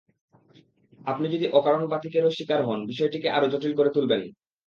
আপনি যদি অকারণ বাতিকেরও শিকার হন—বিষয়টিকে আরও জটিল করে তুলবেন না।